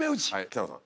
北野さん。